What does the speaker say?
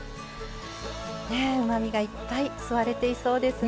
うまみがいっぱい吸われていそうですね。